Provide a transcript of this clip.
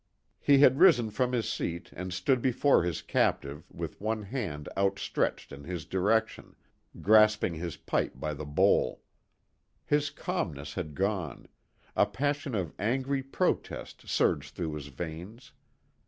He had risen from his seat and stood before his captive with one hand outstretched in his direction, grasping his pipe by the bowl. His calmness had gone, a passion of angry protest surged through his veins.